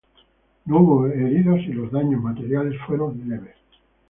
No hubo heridos y los daños materiales fueron leves.